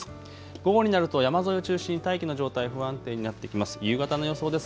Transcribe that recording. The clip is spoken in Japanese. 午後になると山沿いを中心に大気の状態不安定になってきます。